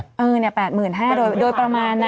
เออเนี่ยแปดหมื่นห้าโดยประมาณนะ